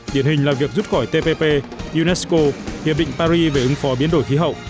điển hình là việc rút khỏi tppp unesco hiệp định paris về ứng phó biến đổi khí hậu